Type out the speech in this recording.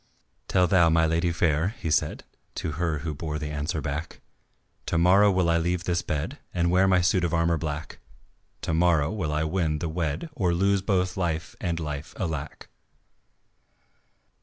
"Tell thou my lady fair," he said, To her who bore the answer back, "To morrow will I leave this bed And wear my suit of armour black; To morrow will I win and wed Or lose both love and life, alack."